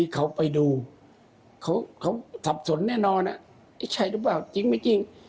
เขาทรัพย์สนแน่นอนใช่หรือเปล่าจริงไหมจริง